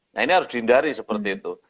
nah ini harus dihindari seperti itu